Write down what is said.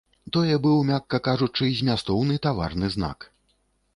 Тое быў, мякка кажучы, змястоўны таварны знак.